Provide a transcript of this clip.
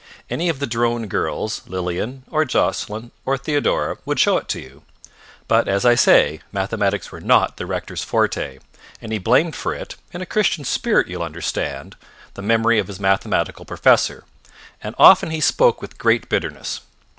Any of the Drone girls, Lilian, or Jocelyn, or Theodora, would show it to you. But, as I say, mathematics were not the rector's forte, and he blamed for it (in a Christian spirit, you will understand) the memory of his mathematical professor, and often he spoke with great bitterness.